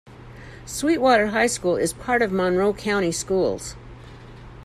Sweetwater High School is part of Monroe County Schools.